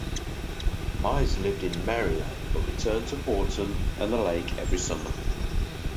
Mize lived in Maryland but returned to Houghton and the lake every summer.